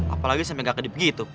apalagi sampe gak kedip gitu